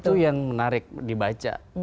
itu yang menarik dibaca